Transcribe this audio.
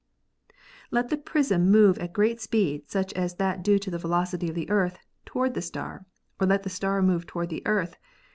Let the prism move at great speed, such as that due to the velocity of the Earth, toward the star, or let the star move toward the Earth.